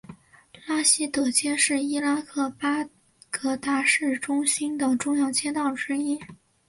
拉希德街是伊拉克巴格达市中心的重要街道之一。